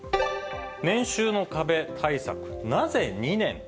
年収の壁対策、なぜ２年？